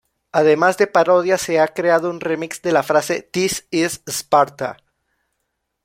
Además de parodias, se ha creado un remix de la frase "This is Sparta!